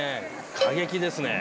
過激ですね。